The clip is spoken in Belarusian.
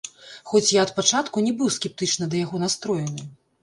Хоць я ад пачатку не быў скептычна да яго настроены.